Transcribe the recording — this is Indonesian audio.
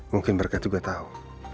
mungkin mereka juga tahu